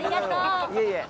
いえいえ。